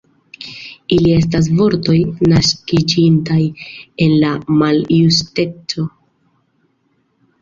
Ili estas vortoj naskiĝintaj en la maljusteco.